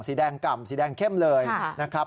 สีแดงกล่ำสีแดงเข้มเลยนะครับ